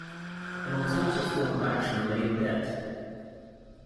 An alternative form of action lay in debt.